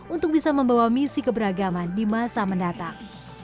untuk bisa membawa misi keberagaman di masa mendatang